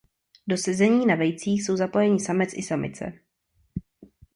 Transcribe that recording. Do sezení na vejcích jsou zapojeni samec i samice.